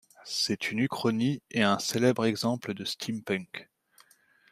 C'est une uchronie et un célèbre exemple de steampunk.